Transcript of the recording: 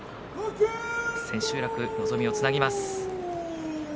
千秋楽に望みをつなぎます。